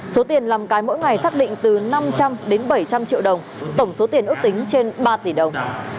số tiền làm cái mỗi ngày xác định từ năm trăm linh đến bảy trăm linh triệu đồng tổng số tiền ước tính trên ba tỷ đồng